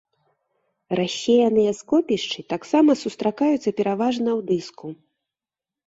Рассеяныя скопішчы таксама сустракаюцца пераважна ў дыску.